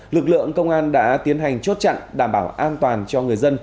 lực lượng công an đã tiến hành chốt chặn đảm bảo an toàn cho người dân